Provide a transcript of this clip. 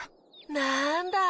なんだ。